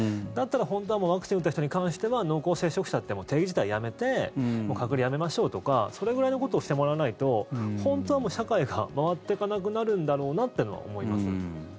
だったら本当はワクチンを打った人に関しては濃厚接触者という定義自体やめて隔離やめましょうとかそれぐらいのことをしてもらわないと本当は社会が回っていかなくなるんだろうなというのは思います。